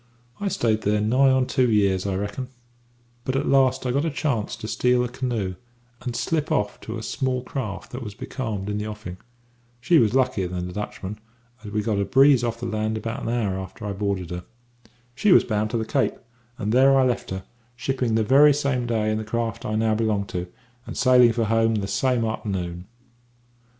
"I stayed here nigh on two years, I reckon; but at last I got a chance to steal a canoe and slip off to a small craft that was becalmed in the offing. She was luckier than the Dutchman, as we got a breeze off the land about an hour after I boarded her. "She was bound to the Cape, and there I left her, shipping the very same day in the craft I now belong to, and sailing for home the same a'ternoon."